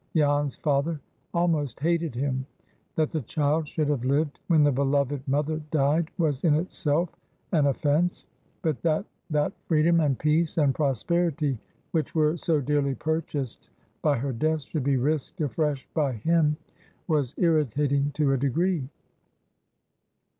Jan's father almost hated him. That the child should have lived when the beloved mother died was in itself an offence. But that that freedom, and peace, and prosperity, which were so dearly purchased by her death, should be risked afresh by him, was irritating to a degree.